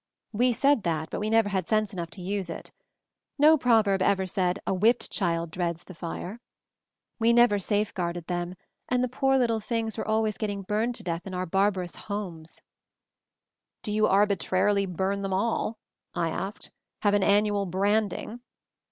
We said that, but we never had sense enough to use it. No proverb ever said 'a whipped child dreads the fire'! We never safe guarded them, and the poor little things were always getting burned to death in our barbarous 'homes' I" "Do you arbitrarily burn them all?" I asked. "Have an annual 'branding'?"